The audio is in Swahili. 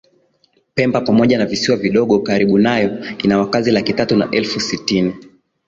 Pemba pamoja na visiwa vidogo karibu nayo ina wakazi laki tatu na elfu sitini